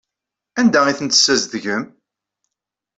Anda ay tent-tessazedgem?